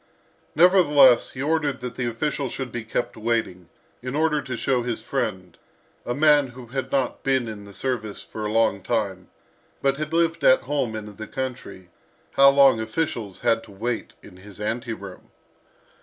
Nevertheless, he ordered that the official should be kept waiting, in order to show his friend, a man who had not been in the service for a long time, but had lived at home in the country, how long officials had to wait in his ante room.